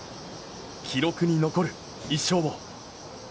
記録に残る１勝を。